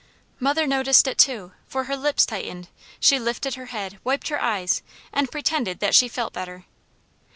Mother noticed it too, for her lips tightened, she lifted her head, wiped her eyes, and pretended that she felt better.